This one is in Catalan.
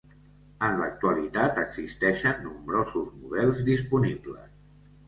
En l'actualitat existeixen nombrosos models disponibles.